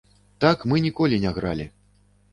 Так мы ніколі не гралі.